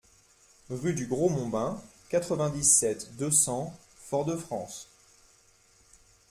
Rue du Gros Mombin, quatre-vingt-dix-sept, deux cents Fort-de-France